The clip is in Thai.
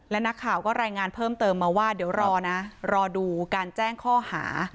และนักข่าวก็รายงานเพิ่มเติมมาว่าเดี๋ยวรอนะรอดูการแจ้งข้อหา